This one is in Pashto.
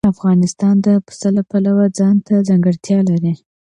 افغانستان د پسه د پلوه ځانته ځانګړتیا لري.